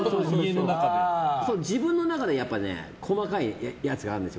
自分の中で細かいやつがあるんですよ。